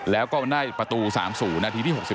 แล้วก็ได้ประตู๓๐นาทีที่๖๐